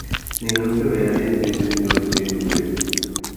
നിങ്ങൾക്ക് വേറെയെന്തെങ്കിലും ജോലി ചെയ്തുകൂടെ